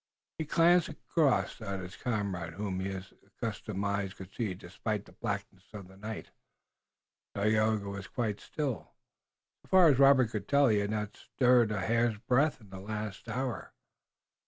He glanced across at his comrade, whom his accustomed eyes could see despite the blackness of the night. Tayoga was quite still. So far as Robert could tell he had not stirred by a hair's breadth in the last hour.